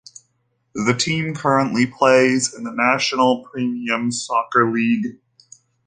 The team currently plays in the National Premier Soccer League.